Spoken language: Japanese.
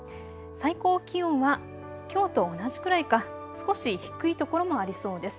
最高気温はきょうと同じくらいか少し低い所もありそうです。